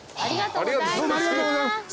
ありがとうございます。